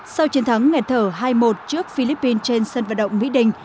sau chiến thắng nghệt thở hai mươi một trước philippines trên sân vận động mỹ đình